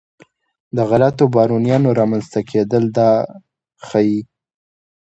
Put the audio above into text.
د غلو بارونیانو رامنځته کېدل دا ښيي.